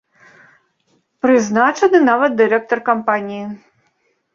Прызначаны нават дырэктар кампаніі.